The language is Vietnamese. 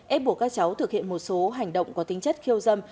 ép buộc các cháu thực hiện một số hành động có tính chất khiêu dâm